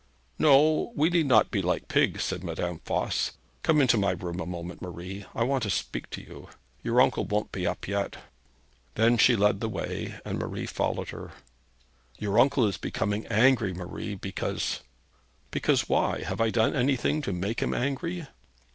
'No; we need not be like pigs,' said Madame Voss. 'Come into my room a moment, Marie. I want to speak to you. Your uncle won't be up yet.' Then she led the way, and Marie followed her. 'Your uncle is becoming angry, Marie, because ' 'Because why? Have I done anything to make him angry?'